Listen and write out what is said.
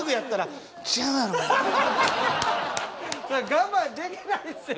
我慢できないっすよ